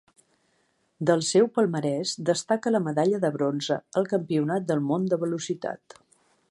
Del seu palmarès destaca la medalla de bronze al Campionat del món de velocitat.